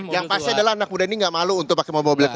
yang pasti adalah anak muda ini gak malu untuk pakai mobil